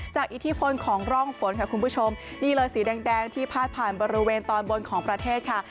อิทธิพลของร่องฝนค่ะคุณผู้ชมนี่เลยสีแดงที่พาดผ่านบริเวณตอนบนของประเทศค่ะ